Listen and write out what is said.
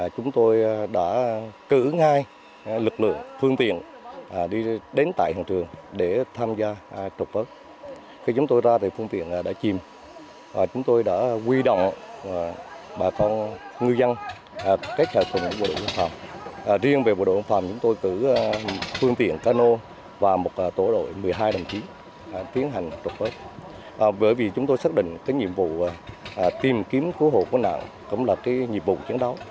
chúng tôi xác định cái nhiệm vụ tìm kiếm cứu hộ của nạn cũng là cái nhiệm vụ chiến đấu